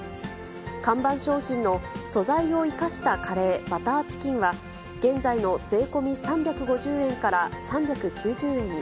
看板商品の素材を生かしたカレーバターチキンは、現在の税込み３５０円から３９０円に。